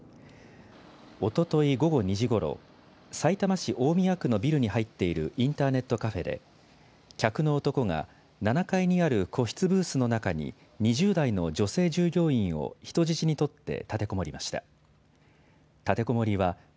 おととい午後２時ごろ、さいたま市大宮区のビルに入っているインターネットカフェで、客の男が７階にある個室ブースの中に、２０代の女性従業員を人質に取って立てこもりました。